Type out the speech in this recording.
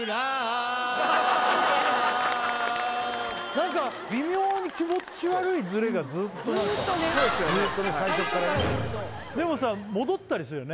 何か微妙に気持ち悪いズレがずっと何かずーっとねそうですよねでもさ戻ったりするよね